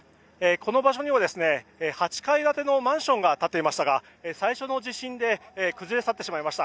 この場所には８階建てのマンションが立っていましたが最初の地震で崩れ去ってしまいました。